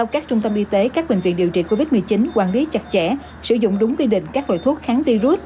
các trung tâm y tế các bệnh viện điều trị covid một mươi chín quản lý chặt chẽ sử dụng đúng quy định các loại thuốc kháng virus